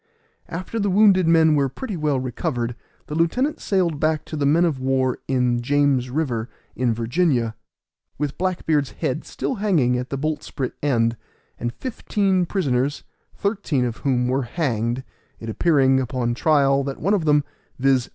After the wounded men were pretty well recovered, the lieutenant sailed back to the men of war in James River, in Virginia, with Black beard's head still hanging at the boltsprit end, and fifteen prisoners, thirteen of whom were hanged, it appearing, upon trial, that one of them, viz.